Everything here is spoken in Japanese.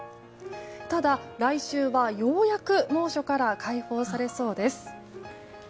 ただ、来週はようやく猛暑から解放されそうです。